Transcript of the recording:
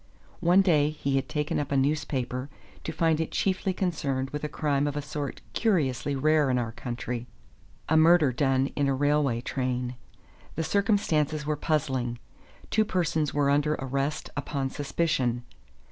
One day he had taken up a newspaper to find it chiefly concerned with a crime of a sort curiously rare in our country: a murder done in a railway train. The circumstances were puzzling; two persons were under arrest upon suspicion.